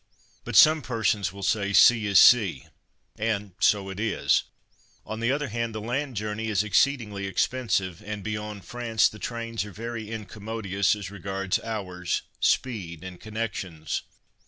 But (some persons will say) sea is sea, and so it is. On the other hand the land journey is exceedingly expensive; and beyond France the trains are very incommodious as regards hours, speed, and connections.